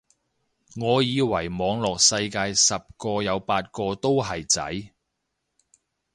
我以為網絡世界十個有八個都係仔